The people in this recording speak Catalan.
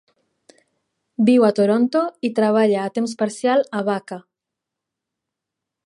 Viu a Toronto i treballa a temps parcial a Bakka.